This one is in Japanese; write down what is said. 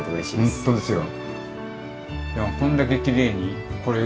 本当ですよ。